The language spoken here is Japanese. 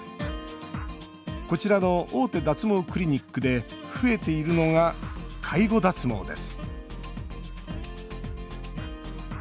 こちらの大手脱毛クリニックで増えているのが介護脱毛です